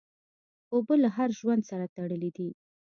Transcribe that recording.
اوبه له هر ژوند سره تړلي دي.